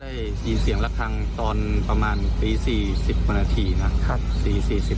ได้ยินเสียงระคังตอนประมาณตี๔๐กว่านาทีนะครับ